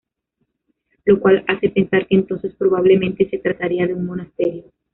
Lo cual hace pensar que entonces probablemente se trataría de un monasterio.